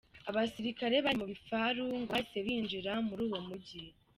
Abasirikare bari mu bifaro ngo bahise binjira muri uwo mujyi.